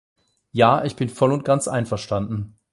Ja, ich bin voll und ganz einverstanden.